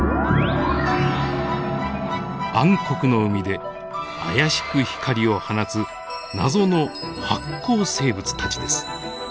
暗黒の海で妖しく光を放つ謎の発光生物たちです。